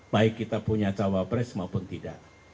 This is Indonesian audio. baik kita punya cawapres maupun tidak